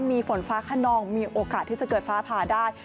มีฝนฟ้าขนองมีโอกาสที่จะเกิดฟ้าผ่าได้